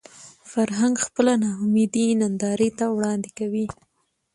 فرهنګ خپله ناامیدي نندارې ته وړاندې کوي